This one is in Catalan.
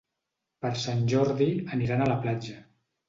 Per Sant Jordi aniran a la platja.